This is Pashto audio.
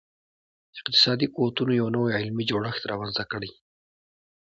اقتصادي قوتونو یو نوی علمي جوړښت رامنځته کړي.